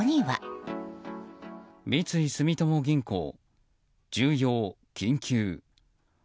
三井住友銀行「重要・緊急